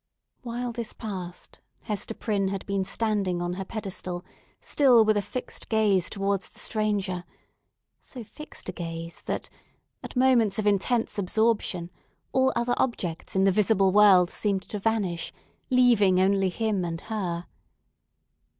While this passed, Hester Prynne had been standing on her pedestal, still with a fixed gaze towards the stranger—so fixed a gaze that, at moments of intense absorption, all other objects in the visible world seemed to vanish, leaving only him and her.